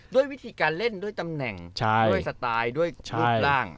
ด้วยวิธีการเล่นด้วยตำแหน่งด้วยสไตล์ด้วยรูปร่าง